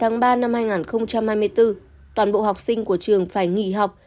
ngày một mươi tám tháng ba năm hai nghìn hai mươi bốn toàn bộ học sinh của trường phải nghỉ học